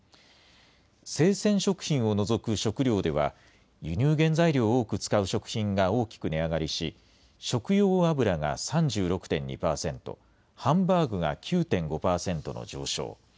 生鮮食品を除く食料では、輸入原材料を多く使う食品が大きく値上がりし、食用油が３６．２％、ハンバーグが９．５％の上昇。